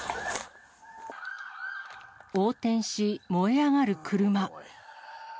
横転し、燃え上がる車。